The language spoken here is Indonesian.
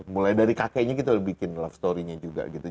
mulai dari kakeknya gitu bikin love storynya juga gitu